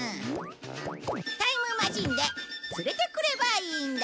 タイムマシンで連れてくればいいんだ。